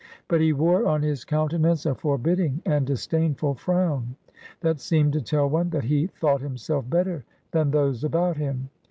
But he wore on his countenance a forbidding and disdainful frown, that seemed to tell one that he thought himself better than those about him.